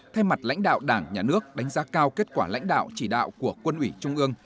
thay mặt lãnh đạo đảng nhà nước đánh giá cao kết quả lãnh đạo chỉ đạo của quân ủy trung ương